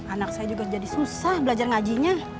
anak saya juga jadi susah belajar ngajinya